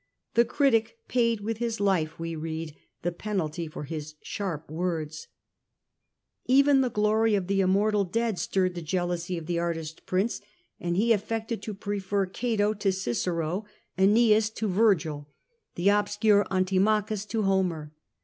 The critic paid with his life we read, the penalty for his sharp words. Even the glory of the immortal dead stirred the jealousy of the artist prince, and he affected to prefer Cato 64 The Age of the Antonines. a. a to Cicero, Ennius to Vergil, the obscure Antimachus to Homer.